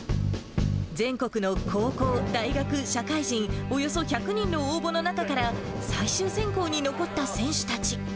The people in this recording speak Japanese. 全国の高校、大学、社会人、およそ１００人の応募の中から、最終選考に残った選手たち。